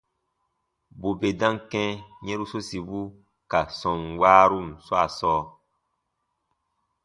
Bù bè dam kɛ̃ yɛ̃ru sosibu ka sɔm waarun swaa sɔɔ,